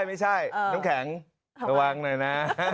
น้ำแข็งระวังหน่อยนะ